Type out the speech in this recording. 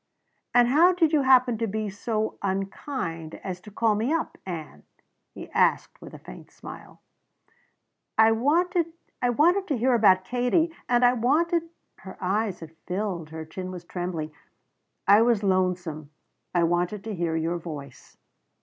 "And how did you happen to be so unkind as to call me up, Ann?" he asked with a faint smile. "I wanted I wanted to hear about Katie. And I wanted" her eyes had filled, her chin was trembling "I was lonesome. I wanted to hear your voice."